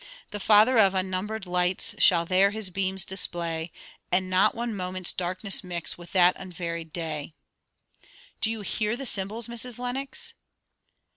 'The Father of unnumbered lights Shall there his beams display; And not one moment's darkness mix With that unvaried day.' Do you hear the cymbals, Mrs. Lenox?"